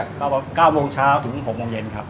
ต้องประมาณ๙โมงเช้าถึง๖โมงเย็นครับ